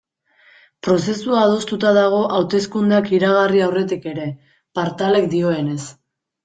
Prozesua adostuta dago hauteskundeak iragarri aurretik ere, Partalek dioenez.